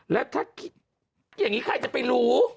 แล้วถ้าคิดอย่างนี้ใครจะไปรู้